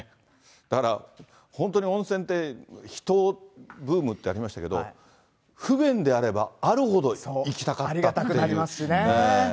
だから、本当に温泉って、秘湯ブームってありましたけど、不便であればあるほど行きたくなありがたくなりますしね。